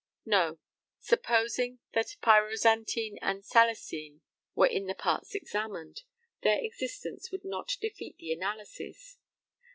No. Supposing that pyrozantine and salicine were in the parts examined, their existence would not defeat the analysis.